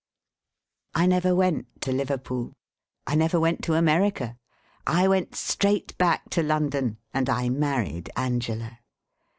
I never went to Liverpool, I never went to America, I went straight back to London, and I married Angela.